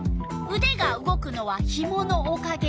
「うでが動くのはひものおかげ」。